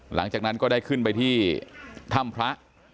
หลังจากนั้นก็ได้ขึ้นไปที่ถ้ำพระ